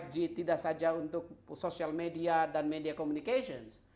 lima g tidak saja untuk social media dan media communication